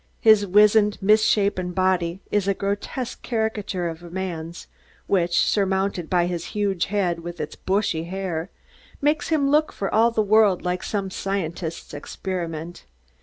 His wizened, misshapen body is a grotesque caricature of a man's, which, surmounted by his huge head with its bushy hair, makes him look for all the world like some scientist's experiment.